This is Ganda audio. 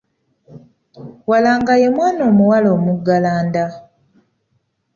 Walaanga ye mwana omuwala omuggalanda